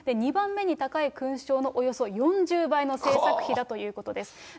２番目に高い勲章のおよそ４０倍の製作費だということです。